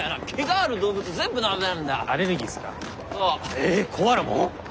ええコアラも？